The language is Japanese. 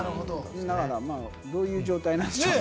だからどういう状態なんでしょうね。